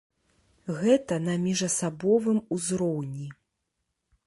Гэта на міжасабовым узроўні.